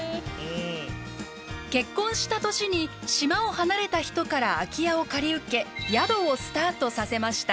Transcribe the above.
結婚した年に島を離れた人から空き家を借り受け宿をスタートさせました。